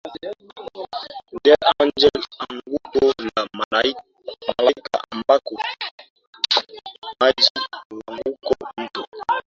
del Angel anguko la malaikaambako maji huanguka Mto